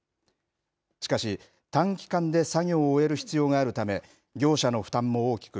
しかし、短期間で作業を終える必要があるため、業者の負担も大きく、